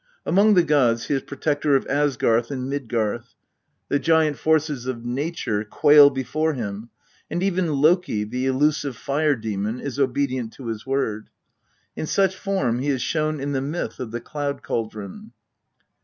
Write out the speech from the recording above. Among the gods he is protector of Asgarth and Mid garth. The giant forces of nature quail before him, and even Loki, the elusive fire demon, is obedient to his word. In such form he is shown in the myth of the cloud cauldron.